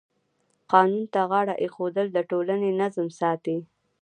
قانون ته غاړه ایښودل د ټولنې نظم ساتي.